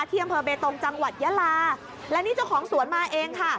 ที่อำเภอเบตงจังหวัดยาลาและนี่เจ้าของสวนมาเองค่ะ